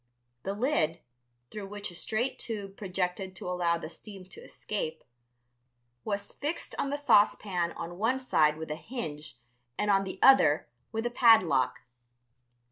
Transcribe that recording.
The lid, through which a straight tube projected to allow the steam to escape, was fixed on the saucepan on one side with a hinge and on the other with a padlock.